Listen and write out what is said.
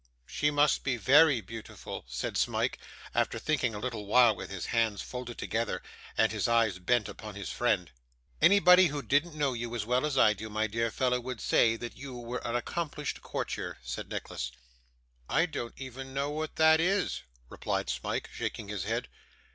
'She must be VERY beautiful,' said Smike, after thinking a little while with his hands folded together, and his eyes bent upon his friend. 'Anybody who didn't know you as well as I do, my dear fellow, would say you were an accomplished courtier,' said Nicholas. 'I don't even know what that is,' replied Smike, shaking his head.